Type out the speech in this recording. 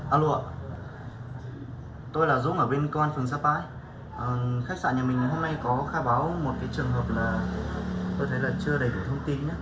alo ạ tôi là dũng ở bên công an phường sapa khách sạn nhà mình hôm nay có khai báo một trường hợp là tôi thấy là chưa đầy được thông tin